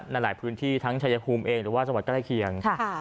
ในหลายพื้นที่ทั้งชายญคุมเองหรือว่าบริษัทใกล้เคียงหรือว่าที่โคราทเองก็ไปได้